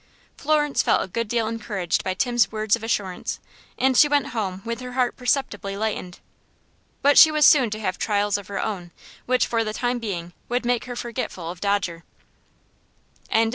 Florence felt a good deal encouraged by Tim's words of assurance, and she went home with her heart perceptibly lightened. But she was soon to have trials of her own, which for the time being would make her forgetful of Dodger. Chapter XXIX. Mrs.